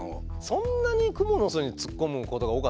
そんなにクモの巣に突っ込むことが多かったんですか？